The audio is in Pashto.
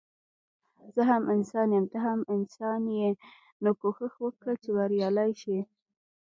زه هم انسان يم ته هم انسان يي نو کوښښ وکړه چي بريالی شي